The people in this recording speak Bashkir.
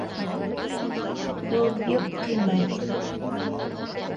Был бик ҡиммәт